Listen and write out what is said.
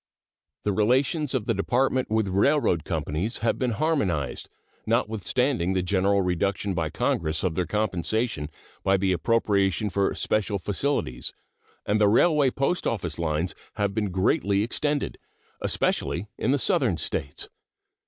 The relations of the Department with railroad companies have been harmonized, notwithstanding the general reduction by Congress of their compensation by the appropriation for special facilities, and the railway post office lines have been greatly extended, especially in the Southern States.